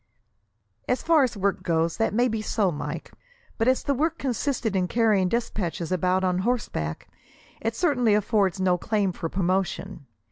"As far as work goes that may be so, Mike; but as the work consisted in carrying despatches about on horseback, it certainly affords no claim for promotion.